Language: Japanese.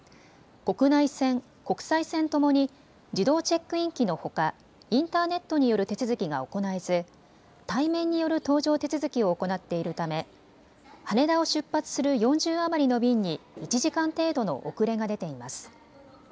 国内線、国際線ともに自動チェックイン機のほかインターネットによる手続きが行えず対面による搭乗手続きを行っているため羽田を出発する４０余りの便に１時間程度の遅れが出ています。